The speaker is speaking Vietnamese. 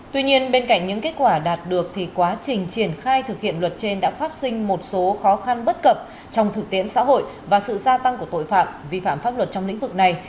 tuy nhiên bên cạnh những kết quả đạt được thì quá trình triển khai thực hiện luật trên đã phát sinh một số khó khăn bất cập trong thực tiễn xã hội và sự gia tăng của tội phạm vi phạm pháp luật trong lĩnh vực này